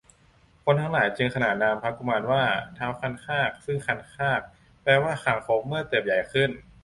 คนทั้งหลายจึงขนานนามพระกุมารว่า ท้าวคันคาก ซึ่งคันคาก แปลว่าคางคก เมื่อเติบใหญ่ขึ้น